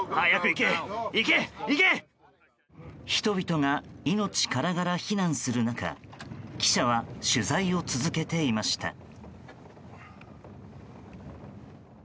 人々が命からがら避難する中記者は取材を続けていました。